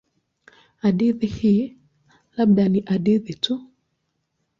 Hadithi hii labda ni hadithi tu.